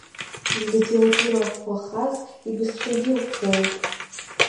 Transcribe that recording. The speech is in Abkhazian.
Злитература ӷәӷәахаз ибызшәагьы ӷәӷәоуп.